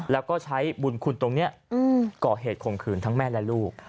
แล้วก็ใช้บุญคุณตรงนี้ก่อเหตุข่มขืนทั้งแม่และลูก